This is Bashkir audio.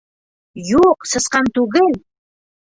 Юҡ, сысҡан түгел!